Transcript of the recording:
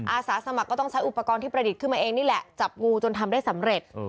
อาสาสมัครก็ต้องใช้อุปกรณ์ที่ประดิษฐ์ขึ้นมาเองนี่แหละจับงูจนทำได้สำเร็จ